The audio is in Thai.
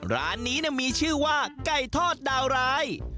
ร้านนี้มีชื่อว่าไก่ทอดดาวร้าย